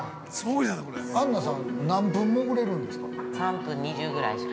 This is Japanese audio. ◆アンナさん何分潜れるんですか？